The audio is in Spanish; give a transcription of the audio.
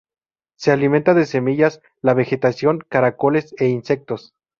Se alimenta de semillas, la vegetación, caracoles e insectos.